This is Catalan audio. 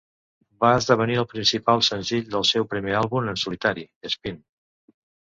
Va esdevenir el principal senzill del seu primer àlbum en solitari, "Spin".